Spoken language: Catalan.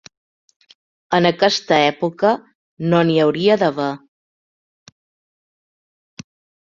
En aquesta època no n'hi hauria d'haver!